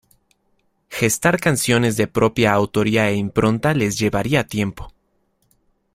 Gestar canciones de propia autoría e impronta les llevaría tiempo.